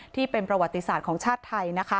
ที่เป็นประวัติศาสตร์ของชาวไทย